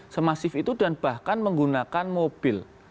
semasif itu dan bahkan menggunakan mobil